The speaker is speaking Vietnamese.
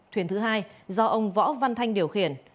thuyền thứ hai do ông võ văn thanh điều khiển